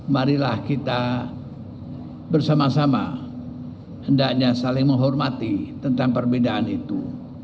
marilah kita bersama sama hendaknya saling menghormati tentang perbedaan itu